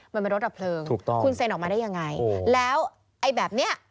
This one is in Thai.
มันเป็นรถดับเพลิงถูกต้องคุณเซ็นออกมาได้ยังไงแล้วไอ้แบบเนี้ย